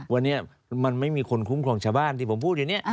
วันนี้มันไม่มีคนคุ้มครองชาวบ้านที่ผมพูดอยู่เนี่ย